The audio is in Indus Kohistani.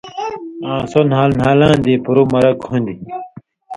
آں سو نھال نھالاں دی پُرُو مرک ہُون٘دیۡ۔